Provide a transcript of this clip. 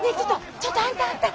ちょっとあんたあんた！